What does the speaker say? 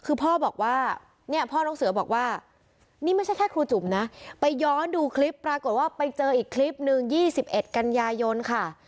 คือพ่อบอกว่าเนี่ยพ่อน้องเสือบอกว่านี่ไม่ใช่แค่ครูจุ๋มนะไปย้อนดูคลิปปรากฏว่าไปเจออีกคลิปนึง๒๑กันยายนค่ะ